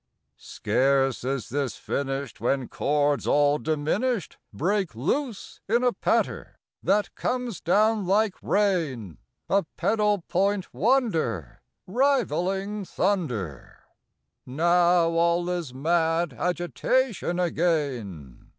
Scarce is this finished When chords all diminished Break loose in a patter that comes down like rain, A pedal point wonder Rivaling thunder. Now all is mad agitation again.